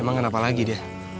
emang kenapa lagi dia